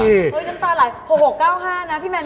เฮ้ยน้ำตาหลาย๖๖๙๕นะพี่แมน